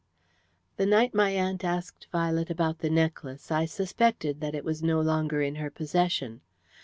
"The night my aunt asked Violet about the necklace I suspected that it was no longer in her possession.